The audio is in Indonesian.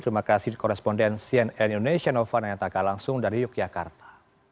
terima kasih di korespondensian elin indonesia nova naya taka langsung dari yogyakarta